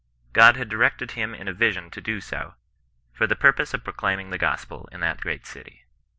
God had directed him in a vision to do so, for the purpose of proclaiming the gospel in that great city.